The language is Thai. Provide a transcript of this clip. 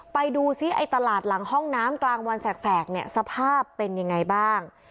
ไปดูซิไอ้ตลาดหลังห้องน้ำกลางวันแสกเนี่ยสภาพเป็นยังไงบ้าง